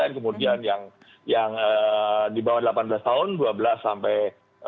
kemudian yang di bawah delapan belas tahun dua belas sampai